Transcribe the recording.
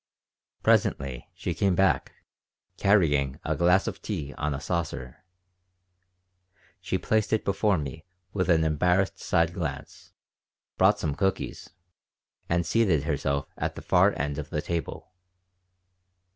Presently she came back, carrying a glass of tea on a saucer. She placed it before me with an embarrassed side glance, brought some cookies, and seated herself at the far end of the table.